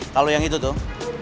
lalu yang itu tuh